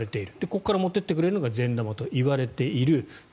ここから持っていってくれるのが善玉といわれている。